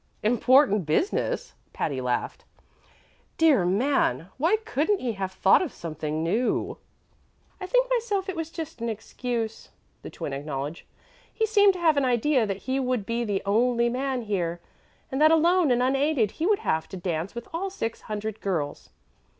"Important business!" Patty laughed. "Dear man! why couldn't he have thought of something new?" "I think myself it was just an excuse," the Twin acknowledged. "He seemed to have an idea that he would be the only man here, and that, alone and unaided, he would have to dance with all six hundred girls."